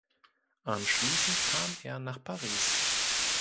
Anschließend kam er nach Paris.